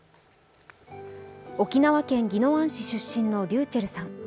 沖縄県宜野湾市出身のｒｙｕｃｈｅｌｌさん。